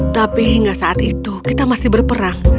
tapi hingga saat itu kita masih berperang